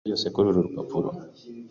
Nzi ijambo ryose kururu rupapuro.